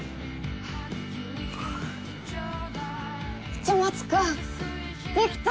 市松君できた！